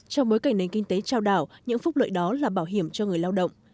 trong bối cảnh nền kinh tế trao đảo những phúc lợi đó là bảo hiểm cho người lao động